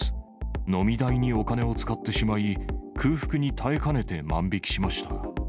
飲み代にお金を使ってしまい、空腹に耐えかねて万引きしました。